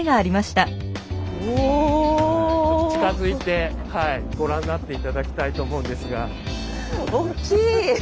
近づいてはいご覧になって頂きたいと思うんですが。